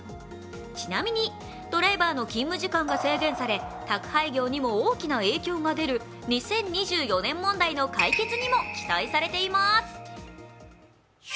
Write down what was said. ちなみに、ドライバーの勤務時間が制限され宅配業にも大きな影響が出る２０２４年問題の解決にも期待されています。